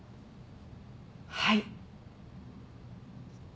はい。